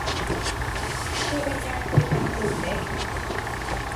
คือเป็นการคุยกันกลุ่มเล็ก